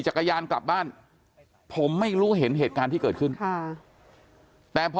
กลับบ้านผมไม่รู้เห็นเหตุการณ์ที่เกิดขึ้นค่ะแต่พอ